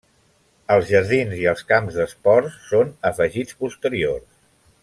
Els jardins i els camps d'esports són afegits posteriors.